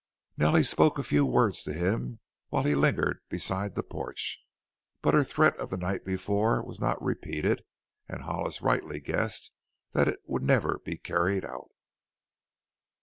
Nellie spoke a few words to him while he lingered beside the porch, but her threat of the night before was not repeated and Hollis rightly guessed that it would never be carried out.